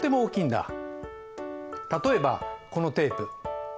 例えばこのテープ。